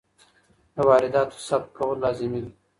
د وارداتو ثبت کول لازمي دي.